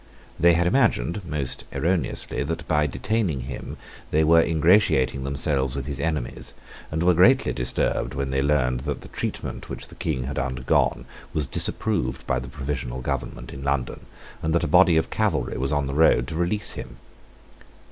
They had imagined most erroneously that by detaining him they were ingratiating themselves with his enemies, and were greatly disturbed when they learned that the treatment which the King had undergone was disapproved by the Provisional Government in London, and that a body of cavalry was on the road to release him.